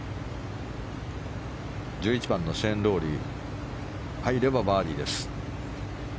１１番のシェーン・ロウリー入ればバーディーです。